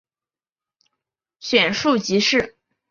选庶吉士。